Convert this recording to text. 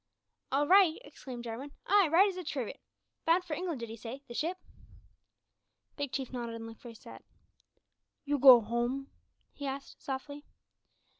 "All right!" exclaimed Jarwin, "aye, right as a trivet. Bound for England, did 'ee say the ship?" Big Chief nodded and looked very sad. "You go home?" he asked, softly.